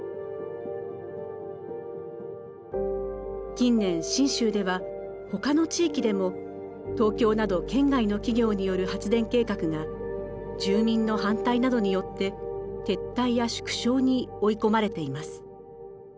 近年信州ではほかの地域でも東京など県外の企業による発電計画が住民の反対などによって撤退や縮小に追い込まれています。